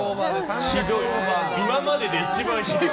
今までで一番ひどい。